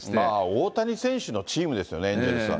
大谷選手のチームですよね、エンジェルスは。